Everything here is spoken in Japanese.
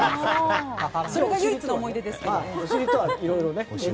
それが唯一の思い出です。